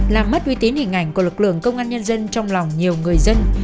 làm mất uy tín hình ảnh của lực lượng công an nhân dân trong lòng nhiều người dân